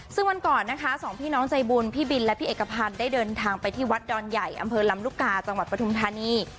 ซึ่งวันก่อนนะคะสองพี่น้องใจบุญพี่บินและพี่เอกพันธ์ได้เดินทางไปที่วัดดอนใหญ่อำเภอลำลูกกาจังหวัดปทุมธานี